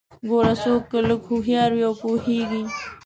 ګوره څوک که لږ هوښيار وي او پوهیږي